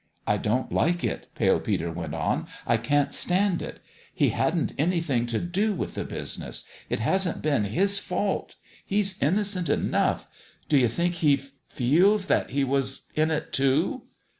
" I don't like it," Pale Peter went on. " I can't stand it. He hadn't anything to do with the business. It hasn't been his fault. He's inno cent enough. Do you think he feels that he was in it, too